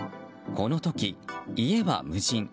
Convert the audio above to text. この時、家は無人。